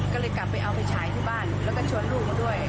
ก็เลยกลับไปเอาไปฉายที่บ้านแล้วก็ชวนลูกมาด้วย